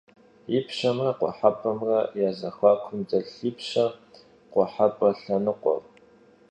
Yipşemre khuhep'emre ya zexuakum delhş yipşe - khuhep'e lhenıkhuer.